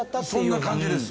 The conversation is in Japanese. そんな感じです。